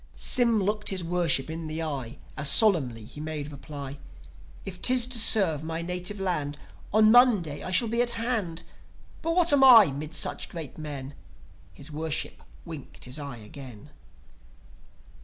Sym looked his Worship in the eye, As solemnly he made reply: "If 'tis to serve my native land, On Monday I shall be at hand. But what am I 'mid such great men?" His Worship winked his eye again